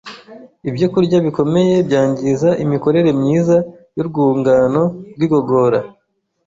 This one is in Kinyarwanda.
ibyo kurya bikomeye byangiza imikorere myiza y’urwungano rw’igogora,